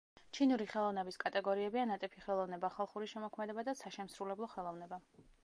ჩინური ხელოვნების კატეგორიებია ნატიფი ხელოვნება, ხალხური შემოქმედება და საშემსრულებლო ხელოვნება.